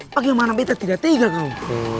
bagaimana beta tidak tega kawan